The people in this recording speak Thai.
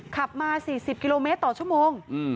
ขับมา๔๐กิโลเมตรต่อชั่วโมง